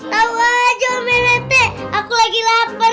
tau aja pak netes aku lagi lapar